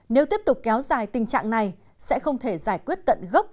nếu tiếp tục kéo dài tình trạng này sẽ không thể giải quyết tận gốc